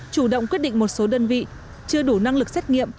chủ động quyết định một số đơn vị chưa đủ năng lực xét nghiệm